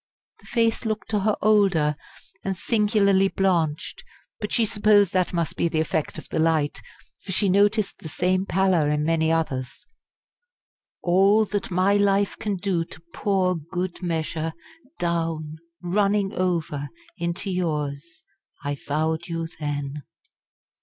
The face looked to her older and singularly blanched; but she supposed that must be the effect of the light; for she noticed the same pallor in many others. "All that my life can do to pour good measure down running over _into yours, I vowed you then!